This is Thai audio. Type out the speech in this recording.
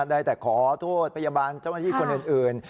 ได้แต่ขอโทษพยาบาลเจ้าหน้าที่คนอื่น